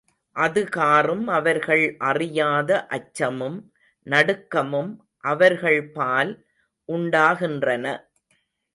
அதுகாறும் அவர்கள் அறியாத அச்சமும் நடுக்கமும் அவர்கள் பால் உண்டாகின்றன.